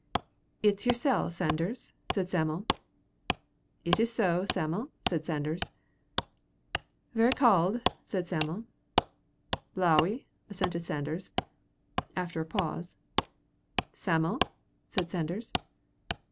"It's yersel, Sanders," said Sam'l. "It is so, Sam'l," said Sanders. "Very cauld," said Sam'l. "Blawy," assented Sanders. After a pause "Sam'l," said Sanders.